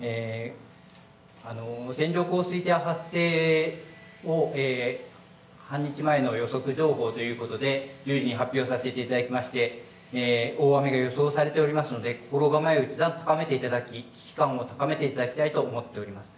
線状降水帯の発生を半日前の予測情報ということで随時、発表させていただきまして大雨が予想されておりますので心構えを一段と高めていただき、危機感を高めていただきたいと思っています。